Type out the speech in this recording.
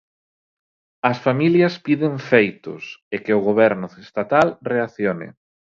As familias piden "feitos" e que o Goberno estatal "reaccione".